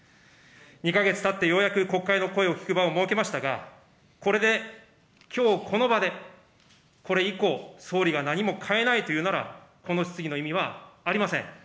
２か月たってようやく国会の声を聞く場を設けましたが、これで、きょうこの場で、これ以降、総理が何も変えないというなら、この質疑の意味はありません。